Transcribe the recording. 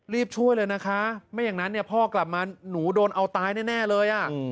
รีบช่วยเลยนะคะไม่อย่างนั้นเนี่ยพ่อกลับมาหนูโดนเอาตายแน่เลย